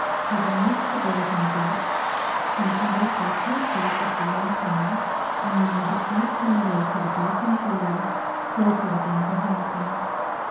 Having reached the door of my box, my conductor pushed back the sliding panel, and when I had groped my way to the dark interior, closed it again behind me.